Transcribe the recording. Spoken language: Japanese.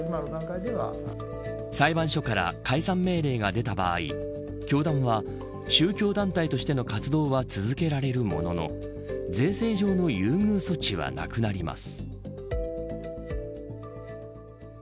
裁判所から解散命令が出た場合教団は、宗教団体としての活動は続けられるものの税制上の優遇措置はなくなります。